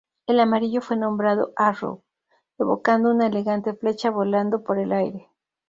El amarillo fue nombrado "Arrow" evocando una elegante flecha volando por el aire.